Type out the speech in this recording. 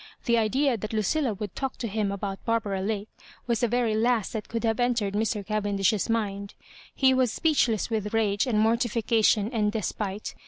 The idea that Lucilla would talk to him about Barbara Lake was the very last that could have entered Mr. Digitized by VjOOQIC mS& MABJORIBANE& 121 Cavendish's mind. He was speechless with rage and mortification and despite.